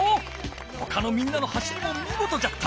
ほかのみんなの走りもみごとじゃった！